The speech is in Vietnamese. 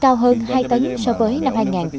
cao hơn hai tấn so với năm hai nghìn một mươi